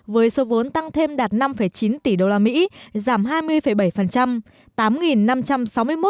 với số vốn tăng thêm đạt năm chín tỷ usd giảm hai mươi bảy